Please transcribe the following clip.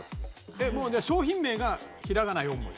えっもうじゃあ商品名がひらがな４文字？